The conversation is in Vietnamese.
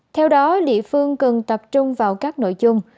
theo đó địa phương cần tập trung vào các nội dung